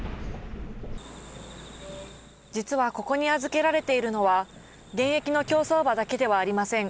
実はここに預けられているのは、現役の競走馬だけではありません。